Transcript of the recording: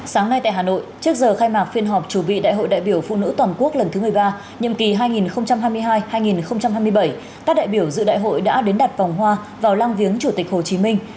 sáng nay tại hà nội trước giờ khai mạc phiên họp chủ bị đại hội đại biểu phụ nữ toàn quốc lần thứ một mươi ba nhiệm kỳ hai nghìn hai mươi hai hai nghìn hai mươi bảy các đại biểu dự đại hội đã đến đặt vòng hoa vào lăng viếng chủ tịch hồ chí minh